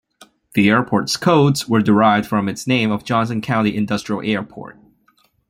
The airport's codes were derived from its name of Johnson County Industrial Airport.